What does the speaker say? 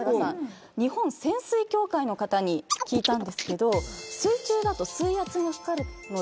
日本潜水協会の方に聞いたんですけど。